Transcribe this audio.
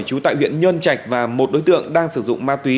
chú tại huyện nhân trạch và một đối tượng đang sử dụng ma túy